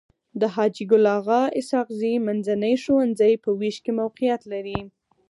د حاجي ګل اغا اسحق زي منځنی ښوونځی په ويش کي موقعيت لري.